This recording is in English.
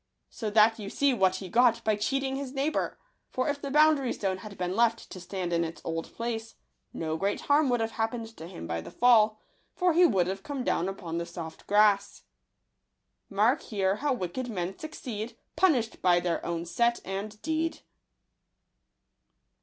So that you see what he got by cheating his neighbour ; for if the boundary stone had been left to stand in its old place, no great harm would have happened to him by the fall; for he would have come down upon the soft grass. Mark here how wicked men succeed, Punish'd by their own act and deed.